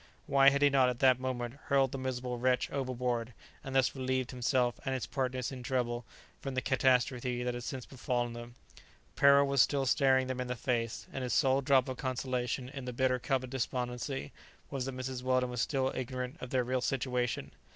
why had he not at that moment hurled the miserable wretch overboard, and thus relieved himself and his partners in trouble from the catastrophe that had since befallen them? Peril was still staring them in the face, and his sole drop of consolation in the bitter cup of despondency was that Mrs. Weldon was still ignorant of their real situation.